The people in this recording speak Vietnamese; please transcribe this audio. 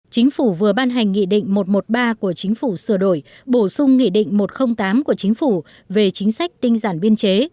chính phủ vừa ban hành nghị định một trăm một mươi ba của chính phủ sửa đổi bổ sung nghị định một trăm linh tám của chính phủ về chính sách tinh giản biên chế